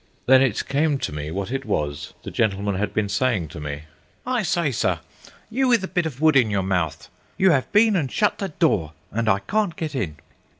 Then it came to me what it was the gentleman had been saying to me: "I say, sir, you with the bit of wood in your mouth, you have been and shut the door and I can't get in."